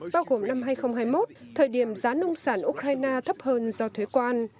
bao gồm năm hai nghìn hai mươi một thời điểm giá nông sản ukraine thấp hơn do thuế quan